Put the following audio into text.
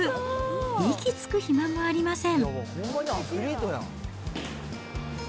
息つく暇もありません。